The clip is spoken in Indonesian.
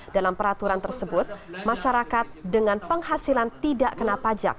dalam peraturan tersebut masyarakat dengan penghasilan tidak kena pajak